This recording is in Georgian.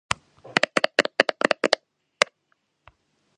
ყველას აინტერესებდა, თუ როდის და ვინ დაასრულებდა „ბითლზის“ ბატონობას ჩარტებში.